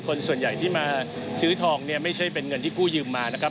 คนส่วนใหญ่ที่มาซื้อทองเนี่ยไม่ใช่เป็นเงินที่กู้ยืมมานะครับ